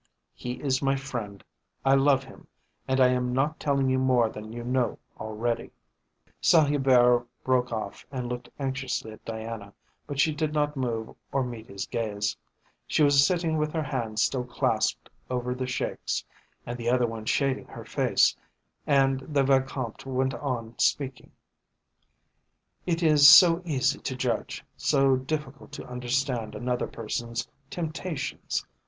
He is my friend, I love him, and I am not telling you more than you know already." Saint Hubert broke off and looked anxiously at Diana, but she did not move or meet his gaze. She was sitting with her hand still clasped over the Sheik's and the other one shading her face, and the Vicomte went on speaking: "It is so easy to judge, so difficult to understand another person's temptations.